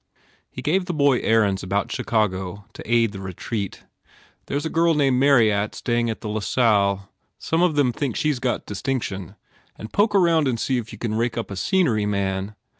He gave the boy errands about Chicago to aid the retreat. "There s a girl named Marryatt playing at the La Salle. Some of them think she s got distinction. And poke around and see if you can rake up a scenery man.